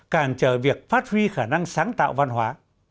cản trở việc phát huy khả năng sáng tạo văn hóa